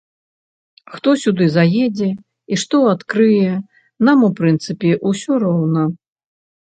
Хто сюды заедзе і што адкрые, нам, у прынцыпе, усё роўна.